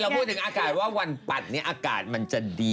เราพูดถึงอากาศว่าวันตาร์ปัดอากาศมันจะดี